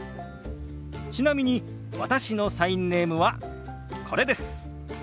ちなみに私のサインネームはこれです。